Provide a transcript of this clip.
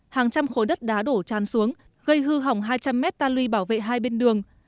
hàng trăm khối đất đá đổ tràn xuống gây hư hỏng hai trăm linh mét ta luy bảo vệ hai bên đường